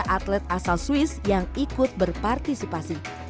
atlet asal swiss yang ikut berpartisipasi